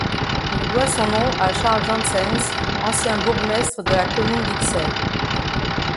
Il doit son nom à Charles Janssens, ancien bourgmestre de la commune d’Ixelles.